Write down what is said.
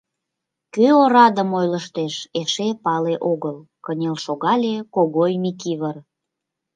— Кӧ орадым ойлыштеш, эше пале огыл, — кынел шогале Когой Микивыр.